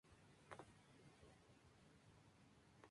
Su vinculación con el músico continúa hasta la actualidad.